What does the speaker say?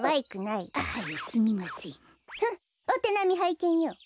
ふんっおてなみはいけんよ！